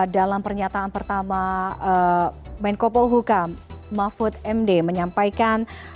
dalam pernyataan pertama menko polhukam mahfud md menyampaikan